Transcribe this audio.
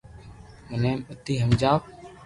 مني متي ھمجاو